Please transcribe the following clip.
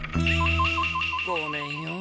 ごめんよ。